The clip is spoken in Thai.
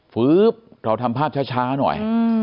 ฟึ๊บเราทำภาพช้าหน่อย